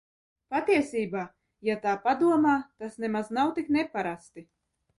Patiesībā, ja tā padomā tas nemaz nav tik neparasti!